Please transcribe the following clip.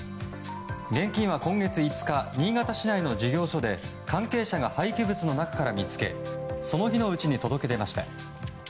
現金は今月５日新潟市内の事業所で関係者が廃棄物の中から見つけその日のうちに届け出ました。